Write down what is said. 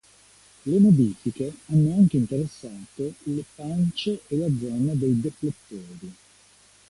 Le modifiche hanno anche interessato le pance e la zona dei deflettori.